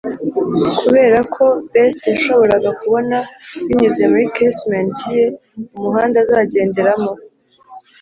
kuberako bess yashoboraga kubona, binyuze muri casement ye, umuhanda azagenderamo.